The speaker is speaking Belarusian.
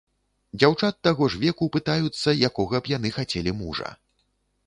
Дзяўчат таго ж веку пытаюцца, якога б яны хацелі мужа.